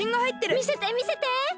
みせてみせて！